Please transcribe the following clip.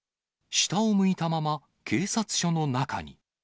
下を向いたまま警察署の中に。